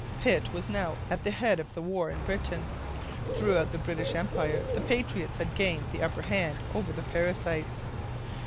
Pitt was now at the head of the war in Britain; throughout the British Empire the patriots had gained the upper hand over the parasites.